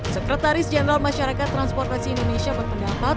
sekretaris jenderal masyarakat transportasi indonesia berpendapat